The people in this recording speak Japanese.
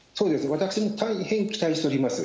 私も大変期待しております。